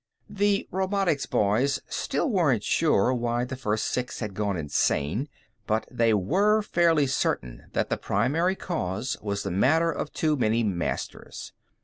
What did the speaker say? The robotics boys still weren't sure why the first six had gone insane, but they were fairly certain that the primary cause was the matter of too many masters.